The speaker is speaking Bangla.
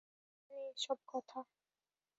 কিন্তু কেন এ-সব কথা!